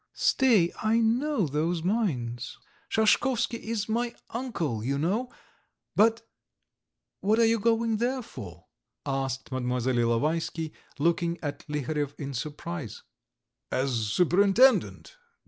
"Stay, I know those mines. Shashkovsky is my uncle, you know. But ... what are you going there for?" asked Mlle. Ilovaisky, looking at Liharev in surprise. "As superintendent.